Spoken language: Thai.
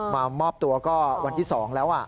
มามอบตัวก็วันที่๒แล้ว